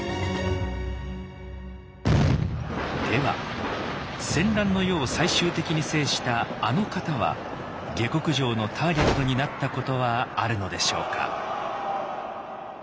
では戦乱の世を最終的に制した「あの方」は下剋上のターゲットになったことはあるのでしょうか。